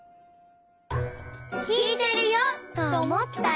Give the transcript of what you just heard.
きいてるよとおもったら。